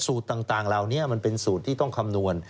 สูตรต่างเหล่านี้มันเป็นสูตรที่ต้องคำนวณ